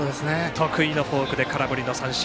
得意のフォークで空振りの三振。